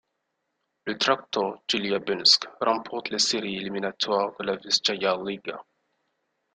Le Traktor Tcheliabinsk remporte les séries éliminatoires de la Vyschaïa Liga.